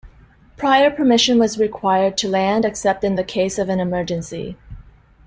Prior permission was required to land except in the case of an emergency.